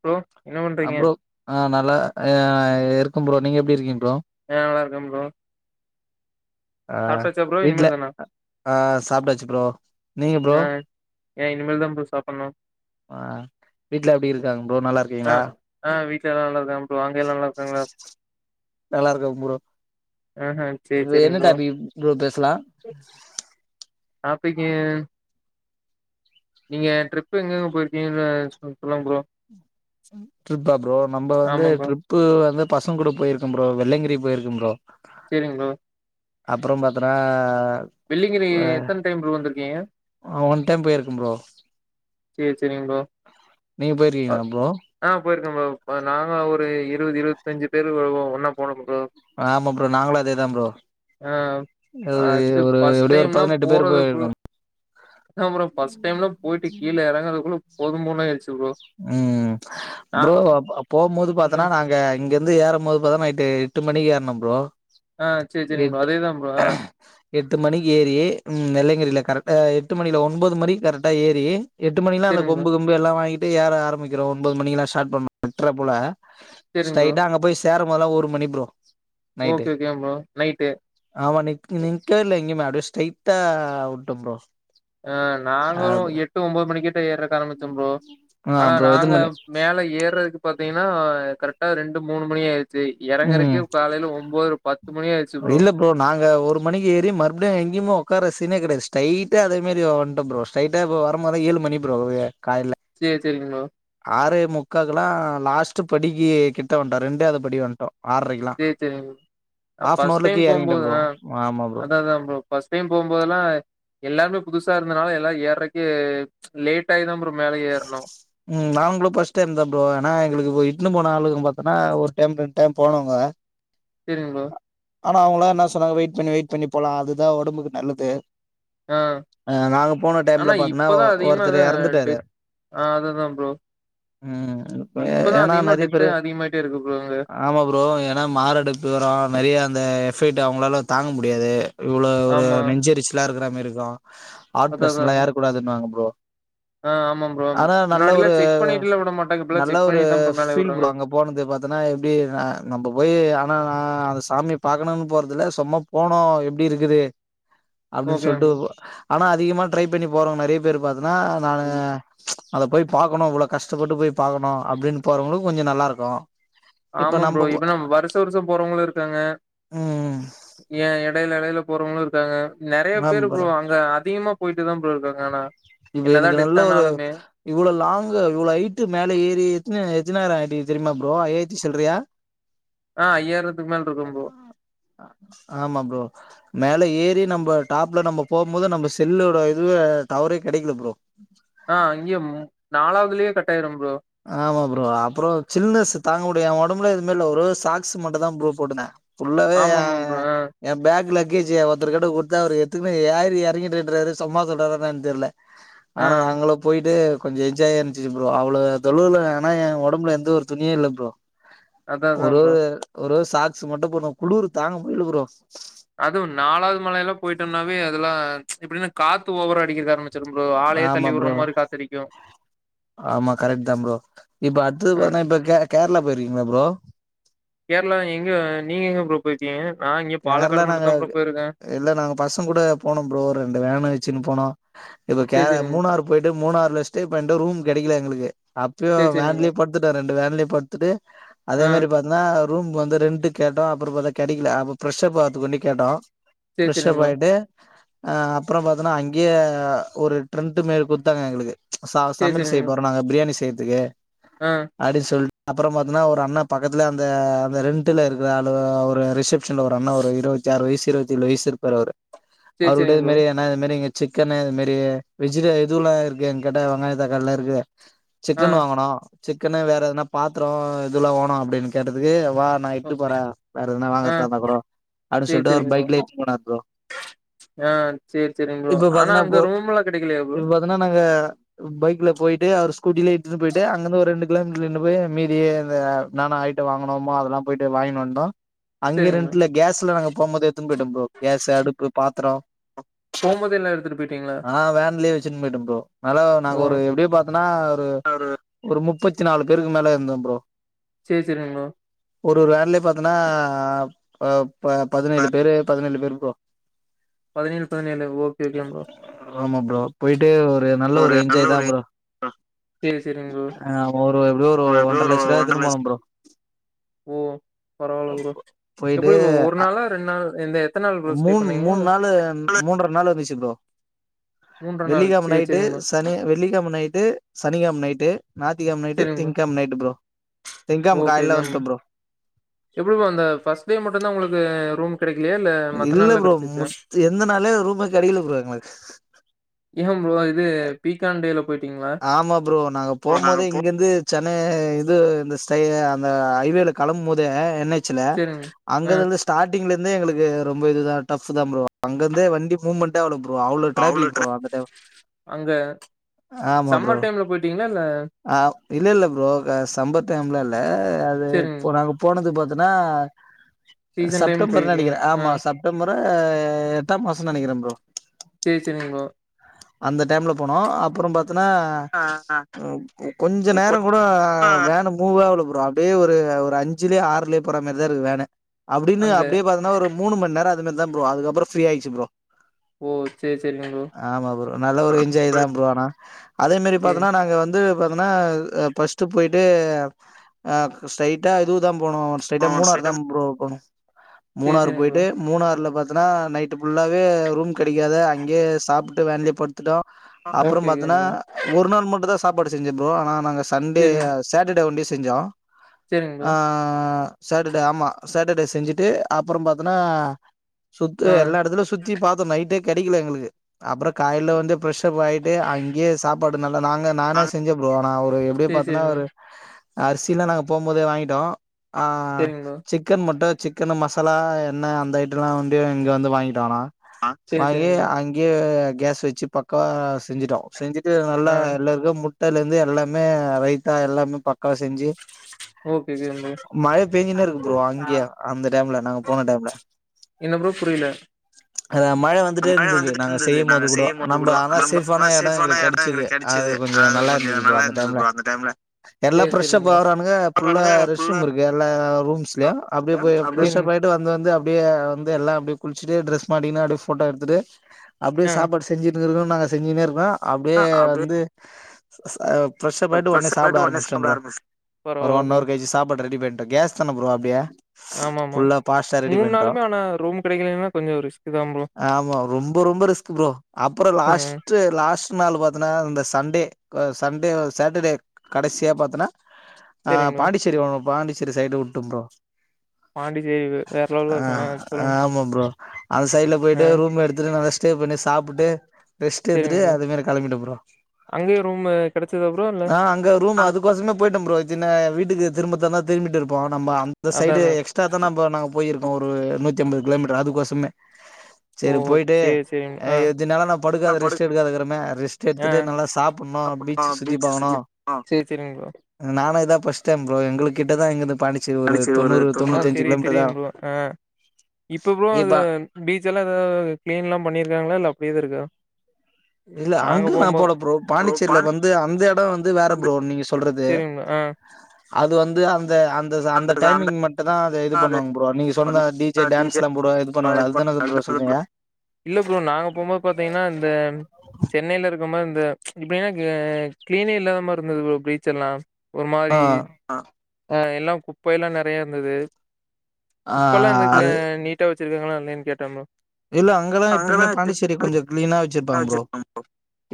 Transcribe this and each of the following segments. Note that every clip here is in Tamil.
ஹலோ என்ன அ பண்றீங்க ப்ரோ ஆ நல்லா ஆ இருக்க ப்ரோ நீங்க எப்டி இருக்கீங்க ப்ரோ யா நல்லா இருக்க ப்ரோ ஆ சாப்ட்டாச்சா ப்ரோ வீட்ல இனிமேல் தானா ஆ சாப்டாச்சு ப்ரோ நீங்க ப்ரோ ஆ ஏ இனிமேல் தா ப்ரோ சாப்டணு ஆ வீட்ல எப்டி இருக்காங்க ப்ரோ நல்லா ஆ இருக்கீங்களா ஆ வீட்ல எல்லா நல்ல இருக்காங்க ப்ரோ அங்க எல்லா நல்லா இருக்காங்ளா நல்லா இருக்கங்க ப்ரோ ஆஹ சேரி இப்ப சேரிங்க என்ன ப்ரோ டாபிக் ப்ரோ பேசலா டாப்பிக்கு நீங்க ட்ரிப் எங்கெங்க போயிருக்கீங்கன்னு சொ சொல்லுங்க ப்ரோ ட்ரிப்பா ப்ரோ நம்ம வந்து ஆமா ப்ரோ ட்ரிப் ப்பு வந்து பசங்க கூட போயிருக்கே ப்ரோ வெள்ளங்கிரி போயிருக்கே ப்ரோ சேரிங்க ப்ரோ அப்றோ பாத்தனா வெள்ளிங்கிரி எத்தன் டைம் ப்ரோ வந்திருக்கீங்க ஆ ஒன் டைம் போயிருக்கே ப்ரோ சேர் சேரிங்க ப்ரோ நீங்க போயிருக்கீங்ளா அ- ப்ரோ ஆ போயிருக்கே ப்ரோ நாங்க ஒரு இருவது இருவத்தஞ்சு பேரு வருவோ ஒன்னா போனோ ப்ரோ ஆமா ப்ரோ நாங்களு அதே தா ப்ரோ ஆ ஒரு அத்து ஒரு ஃபர்ஸ்ட் எப்டியு ஒரு டைம்ல்லா பதினெட்டு பேர் போயிருக்கோ போறதுக்குள் ஆ ப்ரோ ஃபர்ஸ்ட் டைம்லா போயிட்டு கீழ எறங்கருதுக்குள்ள போது போதுனு ஆயிடுச்சு ப்ரோ ம் நா ப்ரோ அப் போம் போது ஓகே. பாத்தேன்னா நாங்க இங்க வந்து ஏறபோது பாத்தா நைட்டு எட்டு மணிக்கு ஏற்ன ப்ரோ ஆ சேர் சேரிங் ப்ரோ எட் அதேதா ப்ரோ ஆ எட்டு மணிக்கி ஏறி ம் வெள்ளியங்கிரில கரெக்டா எட்டு மணியில ஒன்பது மணி கரெக்டா ஏறி எட்டு மணிக்லா அந்த சேரிங்க ப்ரோ கொம்பு கிம்பு எல்லா வாங்கிட்டு ஏற ஆரமிக்கிறோ ஒன்பது மணிக்லா ஸ்டார்ட் பண்றோ எட்ற போல சேரிங்க ப்ரோ ஸ்ட்ரைட்டா அங்க போய் சேர போதுல்லா ஒரு மணி ப்ரோ நைட்டு ஓகே ஓகேங் ப்ரோ நைட்டு ஆமா நிக் நிக்கவே இல்ல எங்கயுமே அப்டியே ஸ்ட்ரைட்டா வுட்ட ப்ரோ ஆ நாங்ளு அப்டி எட்டு ஒம்பது மணி கிட்ட ஏற்க் ஆரம்பிச்சோ ப்ரோ ஆ ஆனா ப்ரோ எத்தன நாங்க மணி மேல ஏறதுக்கு பாத்தீங்ன்னா கரெக்டா ரெண்டு மூணு மணி ஆயிடு ச்சீ ம் எறங்கறக்கே காலைல ஒம்போதுர பத்து மணி ஆயிடுச்சு ப்ரோ இல்ல ப்ரோ நாங்க ஒரு மணிக்கு ஏறி மறுபுடியு எங்கேயுமே ஒக்கார சீனே கெடயாது ஸ்ட்ரைட்டா அதே மாறி வன்ட்டோ ப்ரோ ஸ்ட்ரைட்டா இப்போ வரு போது ஏழு மணி ப்ரோ காலையில சேரி சேரிங் ப்ரோ ஆறே முக்காகுல்லா லாஸ்ட் படிக்கு கிட்ட வன்ட்டோ ரெண்டாவுது படி வண் டோ ஆர்ரைக்கிலா சேர் சேரிங் ப்ரோ ஃபர்ஸ்ட் டைம் எறங்கிட்டே போம்போது ப்ரோ ஆ ஆமா ப்ரோ அதா அதா ப்ரோ ஃபர்ஸ்ட் டைம் போம்போதெல்லா எல்லாமே புதுசா இருந்தனால எல்லா ஏறக்கே லேட் ஆயி தா ப்ரோ மேல ஏறுனோ ம் நாங்ளு ஃபர்ஸ்ட் டைம் தா ப்ரோ ஏனா எங்ளுக்கு இப்போ இட்ன்னு போன ஆளுக பாத்தோன்னா ஒர் டைம் ரெண்டு டைம் போனவுங்க சேரிங் ப்ரோ ஆனா அவுங்களா என்னா சொன்னாங் வெயிட் பண்ணி வெயிட் பண்ணி போலா அதுதா ஒடம்புக்கு நல்லது ஆ ஆ நாங்க போன ஆனா டைம்ல பாத்தோன்னா இப்பதா அதிகமா அதா ஒருத்தர் எறந்துட்டாரு டெத் ஆ அதுதா ப்ரோ ம் இப்பதா ஏனா அதிகமா நெறைய பேர் டெத்து அதிகமாயிட்டே இருக்கு ப்ரோ அங்க ஆமா ப்ரோ ஏனா மாரடைப்பு வரு நெறைய அந்த எஃபக்ட் அவுங்களால தாங்க முடியாது இவ்ளோ ஒரு ஆமா நெஞ்சு எரிச்சுலா இருக்கிற மாறி இருக்கு ஹார்ட் அதா அதா பேசன்லா ஏற கூடாதுன்னுவாங்க ப்ரோ ஆ ஆமா ப்ரோ ஆனா நல்ல முன்னாடில்லா ஒரு செக் பண்ணிட்டுலா விடமாட்டங்க இப்பல்லா நல்ல செக் ஒரு பண்ணிட்டு தா ப்ரோ மேல ஃபீல் ப்ரோ விடுறாங்க அங்க போனது பாத்தன்னா எப்டி நம்ம போய் ஆனா நா அந்த சாமிய பாக்கணுனு போறதுல்ல சும்மா போனோ எப்டி இருக்குது [unintelligible] அப்டின்னு சொல்ட்டு ஆனா அதிகமா டிரை பண்ணி போறோ நெறைய பேர் பாத்தீன்னா நானு அத போய் பாக்குனு இவ்ளோ கஷ்டப்பட்டு போய் பாக்குனு அப்டின்னு போறோங்களுக் கொஞ்சோ நல்லா இருக்கு ஆமா ப்ரோ இப்பதா வருஷ வருஷோ போறவங்களு இருக்காங்க ம் ஏ எடையில எடையில போறவங்களு இருக்காங்க நெறய பேரு ப்ரோ அங்க அதிகமா போயிட்டு தா ப்ரோ இருக்காங்க ஆனா இப்ப என்னதா எனக்கு டெத் நல்லா ஒரு ஆனாலுமே இவ்ளோ லாங்குல இவ்ளோ ஹைட்டு மேல ஏறி எத்ன எத்னாயிரோஅடி தெரியுமா ப்ரோ ஐயாயிரத்தி சில்லறையா ஆ ஐயாயிரத்துக்கு மேல இருக்கு ப்ரோ ஆமா ப்ரோ மேல ஏறி நம்ம டாப்ல நம்ம போம் போது நம்ம செல்லோட இதுவே தவறி கெடைக்கல ப்ரோ ஆ அங்கியே நாலாவதுலயே கட்டாயிரு ப்ரோ ஆமா ப்ரோ அப்றோ சில்னஸ் தாங்க முடில ஒடம்புல எதுவுமே இல்ல ஒரு சாக்ஸ் மட்டு தா ப்ரோ போட்டு இருந்தே ஃபுல்லாவே ஆமா ஆமா ப்ரோ ஆ ஏ பேக் லக்கேஜ்ஜ ஒருத்தரு கிட்ட குடுத்தே அவரு எத்துக்குன்ன யார் இறங்கிட்டுன்ற சும்மா சொல்றானு கூட தெரில ஆ ஆனா நாங்கள போயிட்டு கொஞ்சோ என்ஜாயா இருந்துச்சு ப்ரோ அவ்ளோ தொழுவுல ஆனா ஏ ஒடம்புல எந்த ஒரு துணியு இல்ல ப்ரோ அதா அதா ஒரே ப்ரோ ஒரு ஒரே ஒரு சாக்ஸ் மட்டு போட்ணு குளிரு தாங்க முடில ப்ரோ அதுவு நாலாவது மலை எல்லா போயிட்டோம்னாவே அதெல்லா எப்டின்ன காத்து ஓவரா அடிக்கிருக்க ஆரம்பி ச்சுரு ப்ரோ ஆளையே ஆமா தள்ளி விட்ற ப்ரோ மாரி காத்து அடிக்கு ஆமா கரெக்ட் தா ப்ரோ இப்ப அடுத்துனா அ பாத்தீன்னா இப்ப கே கேரளா போயிருங்களா ப்ரோ கேரளா எங்க நீங்க எங்க ப்ரோ போயி ருக்கீங்க நா இங்க கேரளால பாலக்காடு நாங்க மட்டுந்தா ப்ரோ போயிருக்கே இல்ல நாங்க பசங்க கூட போனோ ப்ரோ ரெண்டு வேன்ன வெச்சுன்னு போனோ இப்ப கே சேரி சேரிங்க மூணாறு போயிட்டு மூணாறுல ஸ்டே பண்ணிட்டு ரூம் கெடைக்கல எங்களுக்கு அப்பயு சேரி சேரிங்க ப்ரோ வேன்லயே படுத்துட்டோ ரெண்டு வேன்லயு படுத்துட்டு அதே ஆ மாரி பாத் ன்னா ரூம்மு வந்து ரெண்டுக்கு கேட்டோ அப்றோ பாத்தா கெடைக்கல அப்ப பிரஃஷ்ஷப் அவரதுக்கு ஆண்டி கேட்டோ சேரி பிரஷ் சேரிங்க ஆப் ப்ரோ ஆயிட்டு ஆ அப்றோ பாத்தோன்னா அங்கேயே ஒரு டிரெண்ட் மாரி குடுத்தாங்க எங்களுக்கு ச சேரி சமையல் செய்ய சேரிங்க போறோ நாங்க பிரியாணி செய்யறதுக்கு ஆ அப்டின்னு சொல் அப்றோ பாத்தீன்னா ஒரு அண்ணா பக்கத்துல அந்த அந்த ரெண்ட்டுல இருக்கிற ஒரு ரேசிப் ப்ஷன்ல அண்ணா இருவத்தி ஆறு வயசு இருவத்தி ஏழு வயசு இருப்பாரு அவரு சேரி அவர்ட்ட சேரிங்க இது ப்ரோ மாறி அது மாறி இங்க சிக்கன்னு இது மாறி வெஜில எதுல்லா இருக்கு என் கேட்டா வெங்காய தக்காளி எல்லா இருக்கு ஆ சிக்கன் வாங்கணு சிக்கன்ன வேற எதனா பாத்திரோ இதுலா வாங்கணு அப்டின்னு கேட்டதுக்கு வா நா ஒ இட்டு போறே வேற எதனா ஆ வாங்கான்னா இருந்தா கூட அப்டின்னு சேரி சொல்லிட்டு அவரு சேரிங்க ப்ரோ பைக்ல இட்டு போனரு ப்ரோ ஆ சேரி சேரிங் ப்ரோ இப்ப ஆனா பாத்தன்னா இப்போ அங்க ரூம் எல்லா கெடைக்கிலியா ப்ரோ இப்ப பாத்தீன்னா நாங்க பைக்ல போயிட்டு அவரு ஸ்கூட்டிலேய இட்டுன்னு போயிட்டு அங்கிருந்து ஒரு ரெண்டு கிலோமீட்டர்ல இட்டுனு போயி மீதி இந்த நானே ஆயி என்னன்ன வாங்கினோமோ அத எல்லா போயிட்டு வாங்கினோ வந்தோ அங்க சேரிங்க ரெண்டுல கேஸ்ல நாங்க போம் போது எடுத்துட்டு போயிட்டோ ப்ரோ கேஸ்சு அடுப்பு பாத்தரோ போம்போதே எல்லா எடுத்துட்டு போயிட்டீங்களா ஆ வேன்லயே வெச்சுன்னு போய்டோ ப்ரோ அதனால ஓ நாங்க ஒரு எப்டியே பாத்தோன்னா ஒரு ஒரு முப்பத்தி நாலு பேருக்கு மேல இருந்தோ ப்ரோ சேரி சேரிங் ப்ரோ ஒருவொரு வேன்லே பாத்தனா ஆ இப்ப பதினேழு பேரு பதுனென்டு பேரு இருப்போ பதினெழு பதினெழு ஓகே ஓகேன் ப்ரோ ஆமா ப்ரோ போய்ட்டு ஒரு நல்ல ஒரு என்ஜாய்தா ப்ரோ சேரி சேரிங்க ப்ரோ அ ஒரு எப்டி ஒரு ப்ரோ எப்டியோ ஒன்ற ஒரு லட்ச்ருவா எட்த்துன்னு லட்ச போனோ ப்ரோ ஓ பரவாயில்ல ப்ரோ எப்புடி ப்ரோ ஒரு நாளா ரெண் நாள் எந்தே மூண் மூணு நாள் மூண்ற நாள் வந்துச்சு ப்ரோ மூன்ற நாள் வெள்ளிகெழ்ம் சேரி நைட்டு சேரிங்க ப்ரோ சனி வெள்ளிகெழமு நைட்டு சனிகெழ்ம் நைட்டு நாத்திகெழ்ம் நைட்டு சேரிங்க திங்கெழ்ம் நைட்டு ப்ரோ திங்கெழம ஓகே காலைல எல்லாரிமா வந்துட்டோ ப்ரோ எப்டி ப்ரோ அந்த ஃபஸ்ட் டே மட்டுந்தா உங்களுக்கு ரூம் கெடைக்லியா இல்ல மத்த இல்ல நாள்லா ப்ரோ கெடச்சிச்சா மொத்து எந்தநாளே ரூமு கெடைகல ப்ரோ எங்ளுக் ஏன் ப்ரோ இது பீக்கான்டேல ஆமா ப்ரோ நாங்க போம்போதே போ இங்கிர்ந்து சென்னே இது இந்த ஸ்டை அந்த ஹைவேல கெளம்போதே என்னய் சுல சேரிங்க அங்க ஆ இருந்து ஸ்டாடிங்ல இர்ந்தே எங்களுக்கு ரொம்ப இதுதா ஃடப்புதா ப்ரோ அங்கர்ந்தே வண்டி மூமெண் டே ஆவள ப்ரோ அவுளோ அவ்ளோ டிராபிக் ப்ரோ ட்ரா அந்த டைம் அங்க ஆமா ப்ரோ சம்மர் டைம்ல போய்டீங்ளா இல்ல ஆ இல்ல இல்ல ப்ரோ அ சம்பர் டைம்லா இல்ல அது சேரிங்க இப்போ நாங்க போனது பாத்துனா அ சீசன் டைம் செப்டம்பர் போயிருக்கீங்க நெனைக்கிற ஆ ஆமா சப் டம்பரா எட்டாம் மாசு நெனைக்கிறே ப்ரோ சேர் செரிங்கோ அந்த டைம்ல போனோ அப்புறோ பாத்தனா ஆ ஆ ம் கொஞ்சோ கொ நேரங்கூட வேன்னு மூவே ஆவுல ப்ரோ அப்டியே ஒரு ஒரு அஞ்சுலே ஆறுலே போற மாரிதா இருக்கு வேன்னு அப்டின்னு அங்க அப்டியே பாத்தன்ன ஒரு மூணுமண் நேரோ அது மாரிதா ப்ரோ ஆகுது அப்புறோ ஃப்ரீயாச்சு ப்ரோ ஓ சேரி சேரிங்க ஆமா ப்ரோ நல்ல ஒரு ப்ரோ என்ஜாய்தான் ப்ரோ ஆனா அதே மாரி சேரி பாத்தனா நாங்க வந்து பாத்துனா அ பஸ்ட்டு போய்ட்டு அ ஸ்ட்ரைட்டா இதுக்குதா போனோ ஸ்ட்ரைட்டா மூணாறுதான் ப்ரோ போனோ சேரி மூணாறு சேரிங் ப்ரோ போய்ட்டு மூணாறுல பாத்துனா நைட்டு் புல்லாவே ரூம் கெடைக்காதா அங்கே சாப்புட்டு வேன்லே படு த்துடோ அப்புறம் பாத் ஓகேங்க ப்ரோ ஒரு நாள் மட்டுதா சாப்பாடு செஞ்சே ப்ரோ ஆனா நாங்க சண்டே சேரிங்க சேட்டர்டே ஒண்டே செஞ்சோ சேரிங்க ப்ரோ ஆ சேட்டர்டே ஆமா சேட்டர்டே செஞ்சுட்டு அப்புறம் பாத்துனா சுத்து எல்லா ஆ எடத்துலு சுத் தி பாத்தோ நைட்டே கெடைக்குல எங்களுக்கு அப்புறோ காலேல வந்து பிரஷ்ஷப் ஆய்ட்டு இங்கியே சாப்பாடு நல்லா நாங்க நானே செஞ்சே ப்ரோ ஆனா ஒரு எப்டி சேரி பாத்தனா சேரிங்க ப்ரோ ஒரு அரிசிலா நாங்க போம்போதே வாங்கிட்டோ ஆ சேரிங்க ப்ரோ சிக் கன் முட்ட சிக்கனு மசாலா எண்ண அந்த ஐட்டெலா வந்து இங்க வந்து வாங்கிட்டோ ஆனா சேரி வாங்கி சேரிங்க ப்ரோ அங்கியே கேஸ் வச்சு பக்காவா செஞ்சுட்டோ செஞ்சு ட்டு நல்லா ஆ எல்லாருக்கு முட்டேல இர்ந்து எல்லாமே ரைத்தா எல்லாமே பக்காவா செஞ்சு ஓகே ஓகேங்க மழ பெய்ஞ்சுனே இருக்கு ப்ரோ அங்கிய அந்த டைம்ல நாங்க போன டைம்ல என்ன ப்ரோ புரில அங்க மழ வந்துட்டே இருந்தது நாங்க இருந்தது நாங்க செய்யமோது கூடோ செய்யும் போது நம்ப கூட ஆனா நம்ம ஆனா சேஃப்பான எடங் சேஃபான எங்களுக் எடோ கெடச்சது எங்களுக்கு அது கொஞ்சோ நல்லா கொஞ்சோ இருந்தது ப்ரோ நல்லா அந்த இருந்தது டைம்ல ப்ரோ அந்த டைம்ல எல்லா சேரி பிரஷ்ஷப் சேரிங்க ப்ரோ ஆகுறானுங்க ஃபுல்லா ரெஸ்ட் ஃபுல்லா ரூம் இருக்கு எல்லா ரூம்ஸ்ல்யு அப்டியே போய் பிரஷ்ஷப் ஆய் ட்டு வந்து வந்து அப்டியே வந்து எல்லா அப்டியே குள்ச்சுட்டு டிரஸ் மாட்டிக்குனு அப்டியே போட்டோ எடுத்துட்டு அப்டியே ஆ. சாப்பாடு செஞ்சுட்டு இருக்றங் நாங்க செஞ்சுன்னே இருக்னோ அப்டியே வந்து ஸ் ஸ் அ ஃபிரஷ் அப் ஆயிட்டு ஃப்ரெஷ் உட்னே சாப்பிட ஒடனே ஆரம்பிச்சுடோ சாப்ட ப்ரோ ஆரம்பிச் ஒரு பரவால்ல ஒன் ப்ரோ அவர் கெயிச்சி சாப்பாட ரெடி பண்ட்டோம் கேஸ் தான ப்ரோ அப்டியே ஆமா ஆமா ஃபுல்லா பாஸ்டா ரெடி மூணு பண்ட்டோ நாளுமே ஆனா ரூம் கெடைக்கலன்னா கொஞ்சோ ரிஸ்க் தா ப்ரோ ஆமா ரொம்ப ரொம்ப ரிஸ்க் ப்ரோ அப்புறம் லாஸ்ட் ம் ட்டு லாஸ்ட் டு நாள்ல பாத்தனா இந்த சண்டே சண்டே சேட்டர்டே கடைசியா பாத்தனா ஆ சேரிங்க ப்ரோ பாண்டிச்சேரி ஒன்னு பாண்டிச்சேரி சைடு உட்டோ ப்ரோ பாண்டிச்சேரி வே வேற லெவல்ல ஆ இருக்குங்க சொல்லுங்க ஆமா ப்ரோ அந்த சைட்ல ஆ போயிட்டு ரூம் எடுத்துட்டு வந்து ட்டு பிண்ண சாப்புட்டு ரெஸ்ட் எடுத்துட்டு சேரிங்க ப்ரோ அதுமே கெளம்பிட்டோ ப்ரோ அங்கேயே ரூமு கெடச்சதா ப்ரோ இல்ல ஆ அங்க ரூம் அதுக்கோசமே போயிட்டோ ப்ரோ சின்ன வீட்டுக்கு திரும்பத்தந்தா திரும்பிட்டு இருப்போ நம்ம அந்த அதா சைடு அதா எக்ஸ் ட்ரா நம்ப நாங்க போயிருக்கோ ஒரு நூத்தி எம்பது கிலோமீட்டர் அதுக்கோசமே ஓ செரி போயிட்டு சேரி சேரிங் அ ஆ இத்தினால நா ஆ படுக்காத படு ரெஸ்ட் எடுக்காத கீரமே ரெஸ்ட் எடுத்துட்டு நல்லா சாப்பிட்ணோ அப்றமா பீச்ச சுத்தி பீச் பாக்கனோ ஆ சேரி சேரிங்க ப்ரோ நானு இதா ப்ஃர்ஸ்ட் டைம் ப்ரோ எங்களுகிட்டதா இங்க இருந்து பாண்டி அ தெரியூ தெரியூ ப்ரோ ஆ இப்பகூட இப்ப அது பீச் எல்லா ஏதாவது கிளீன்ல்லா பண்ணீருக்காங்களா இல்ல அப்படியேதா இருக்கா இல்ல நாங்க அங்க நா போம்போ போல ப்ரோ பாண்டிச்சேரில வந்து அந்த எடோ வந்து வேற ப்ரோ நீங்க சொல்றது அ அது வந்து அந்த அந்த அந்த டைமிங் மட் தா அது இது பண்ணுவாங்க ப்ரோ நீங்க சொன்னத பண்ணி டிஜெ அ டி ஜே டான்ஸ்ல்லா போடுவாங்க இது பண்ணுவாங்களே அதுதா ப்ரோ சொல்றீங்க இல்ல ப்ரோ நாங்க போம்போது பாத்தீங்கன்னா இந்த சென்னையில இருக்க மாரி இந்த இப்பனா கிளீனே இல்லாத மாரி இருந்தது ப்ரோ பீச் எல்லா ஒரு ஆ மாரி அ எல்லா குப்பைலா நெறய இருந்தது ஆ இப்பெல்லா இந்த ஆ அது நீட்டா வச்சிருக்காங்களா இல்லைன்னு கேட்டோன்ப்ரோ இல்ல அங்கெல்லா எப்பமே பாண்டிசேரி கொஞ்சோ கிளீனா வச்சிருப்பாங்க ப்ரோ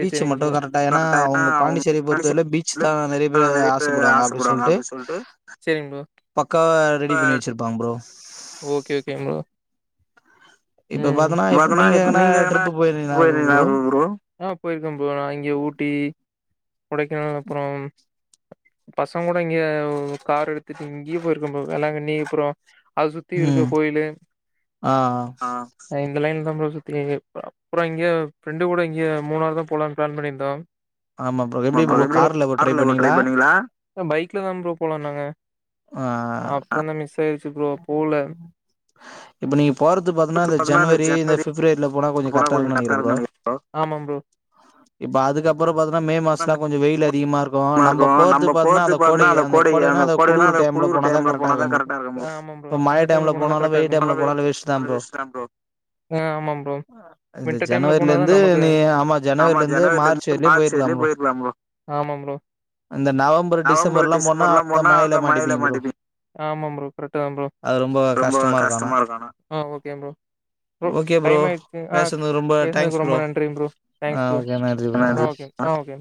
பீச் மட்டூ கரெக்டா ஏன்னா அவங்க பாண்டிச்சேரிய பொறுத்தவரைலூ பீச்ச தா நெறய பேர் ஆசப்படுவாங்க அப்டி சொல்ட்டு சொல்ட்டு செரிங் ப்ரோ பக்காவா ரெடி பண்ணி வச்சிருப்பாங்க ப்ரோ ஓக்கே ஓக்கே ம்ப்ரோ இப்ப ம் பாத்தோன்னா பாத்தனா இப்ப எங்கனா நீங்க எதனா ட்ரிப்பு போயிருந்தீங்களா போயிருகீங்களா ப்ரோ ஆ போயிருக்கே ப்ரோ நா இங்க ஊட்டி கொடைக்கானல் அப்றோ பசங்களோட இங்க கார் எடுத்துட்டு இங்கயே போயிருக்கோ ப்ரோ வேளாங்கண்ணி அப்றோ அத சுத்தி இருக்க ம் கோயிலு ஆ அ நா இந்த லைன்ல தா ப்ரோ சுத்தி அப்றோ இங்க ஃப்ரெண்டு கூட இங்க மூணாரு தா போலான் பிளான் பண்ணியிருந்தோ ஆமாம் மத்த எப்டி கார்ல போவ் ட்ரை பண்ணீங்களா பைக்ல தா ப்ரோ போலான்னாங்க ஆ அப்றோ தா மிஸ் ஆயிடுச்சு ப்ரோ போவ்ல இப்ப நீங்க போறது பாத்தன்னா இந்த ஜனவரி இந்த பிஃப்ரவரில போனா கொஞ்சோ கரெக்டா இருக்குனூ நினைக்குறே ப்ரோ ஆமா ப்ரோ இப்ப அதுக்கப் அப்றோ பாத்தோனா மே மாசோலா கொஞ்சோ வெயில் அதிகமா இருக்கூ நம்ம போறத்து பாத்தனா அந்த கோடை அந்த கோடைன்னா கோடைனா அந்த குளிர் டைம்ல போனா தா கரெக்டா இருக்கோ ப்ரோ இப்ப அ மழை அந்த டைம்ல போனா தா போனாலு கரட்டா வெயில் டைம்ல போனாலு வேஸ்ட் தா ப்ரோ இருக்கு ஆ ஆமா ப்ரோ இந்த வின்டர் டைம்ல போனாதா ஜனவரிலருந்து நமக்கு நீ ஆமா ஜனவரிலருந்து ஜனவரில மார்ச் இருந்து வரைலயு போயிருக்கலா ஆச்சேரிலயே ப்ரோ போயிருக்கலா ப்ரோ நவம்பர் டிசம்பர்லா போன மழைல மாட்டிப்பீங்க ரொம்ப கஷ்டமா இருக்கு ஆனா ப்ரோ டைம் ஆயிடுச்சு ஆ பேசுனது ரொம்ப தேங்க்ஸ் பேசனதுக்கு ரொம்ப ப்ரோ நன்றி ப்ரோ தாங்ஸ் ஆ ப்ரோ ஓகே நன்றி ப்ரோ அ ஆ ஓகே ஆ ஓகே